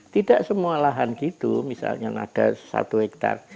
tidak semua lahan gitu misalnya yang ada satu hektar